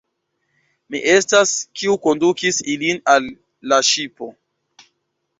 Mi estas, kiu kondukis ilin al la ŝipo.